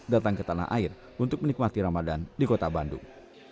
datang ke tanah air untuk menikmati ramadan di kota bandung